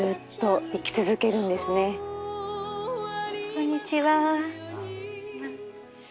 こんにちは。